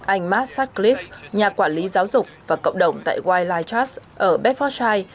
anh mark sutcliffe nhà quản lý giáo dục và cộng đồng tại wildlife trust ở bedfordshire